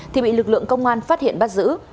thì bị lực lượng công an phát hiện bắt giữ